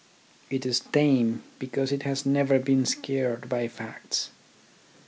It is tame because it has never been scared by facts.